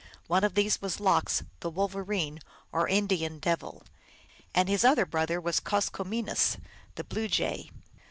One of these was Lox, the Wolverine, or Indian Devil. And his other brother was Koskomines, the Blue Jay.